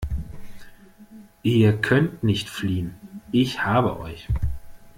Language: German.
Ihr könnt nicht fliehen. Ich habe euch!